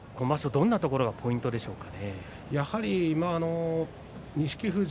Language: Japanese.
どんなところがポイントでしょうか。